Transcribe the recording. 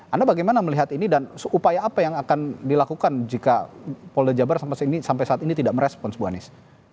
anda bagaimana melihat ini dan upaya apa yang akan dilakukan jika polda jabar sampai saat ini tidak merespons bu anies